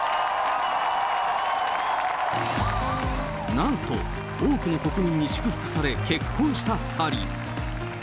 なんと、多くの国民に祝福され、結婚した２人。